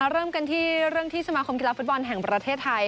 เริ่มกันที่เรื่องที่สมาคมกีฬาฟุตบอลแห่งประเทศไทย